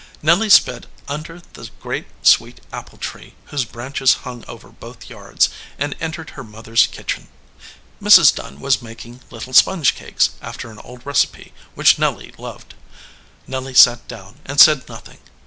Nelly sped under the great sweet apple tree, whose branches hung over both yards, and entered her mother s kitchen. Mrs. Dunn was making little sponge cakes after an old recipe which Nelly loved. Nelly sat down and said nothing.